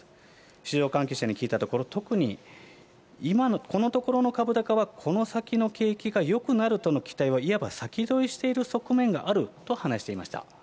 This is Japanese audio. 市場関係者に聞いたところ、特に今の、このところの株高は、この先の景気がよくなるとの期待をいわば先取りしている側面があると話していました。